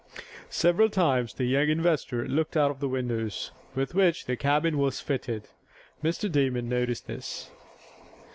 Several times the young investor looked out of the windows with which the cabin was fitted. Mr. Damon noticed this.